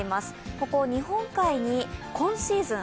ここ、日本海に今シーズン